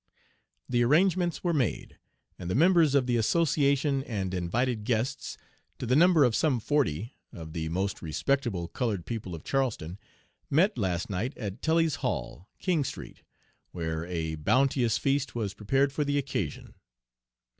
"The arrangements were made, and the members of the association and invited guests to the number of some forty, of the most respectable colored people of Charleston, met last night at Tully's Hall, King Street, where a bounteous feast was prepared for the occasion.